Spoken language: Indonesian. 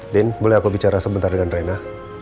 den boleh aku bicara sebentar dengan rena